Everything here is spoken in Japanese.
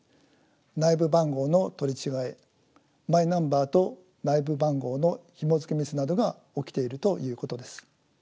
内部番号の取り違えマイナンバーと内部番号のひもづけミスなどが起きているということです。